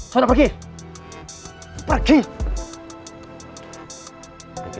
soalnya pergi pergi